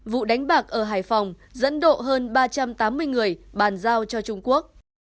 vụ đánh bạc ở hải phòng dẫn độ hơn ba trăm tám mươi người bàn giao cho trung quốc